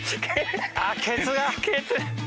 あケツが。